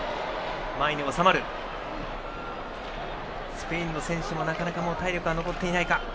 スペインの選手もなかなか体力は残っていないか。